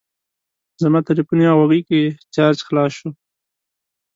زما تلیفون یا غوږۍ کې چارج خلاص شو.